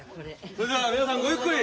それじゃあ皆さんごゆっくり。